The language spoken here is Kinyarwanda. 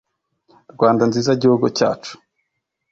Rwanda nziza gihugu cyacu.